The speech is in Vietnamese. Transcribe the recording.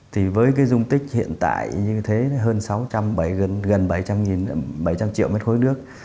thì với cái dung tích hiện tại như thế hơn sáu trăm linh gần bảy trăm linh triệu m ba nước